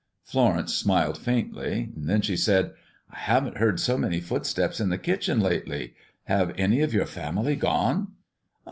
Florence smiled faintly. Then she said, "I haven't heard so many footsteps in the kitchen lately. Have any of your family gone?"